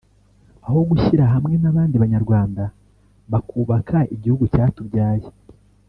aho gushyira hamwe n’abandi banyarwanda bakubaka igihugu cyatubyaye